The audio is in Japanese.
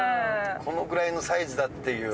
このぐらいのサイズだっていう。